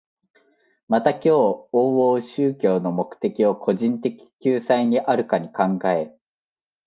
また今日往々宗教の目的を個人的救済にあるかに考え、